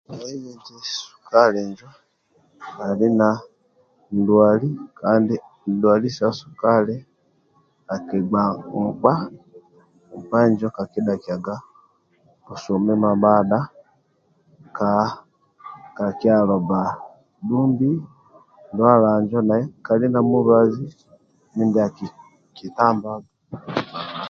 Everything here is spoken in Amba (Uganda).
Sukali injo ali na ndwali kandi ndwali sa sukali akigba nkpa nkpa injo kakidhakiaga busumi mamadha ka kyalo bba dhumbi ndwala injo dhe kali na mubaji mindia akitamba